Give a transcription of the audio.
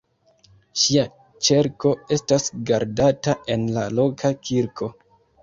Ŝia ĉerko estas gardata en la loka kirko.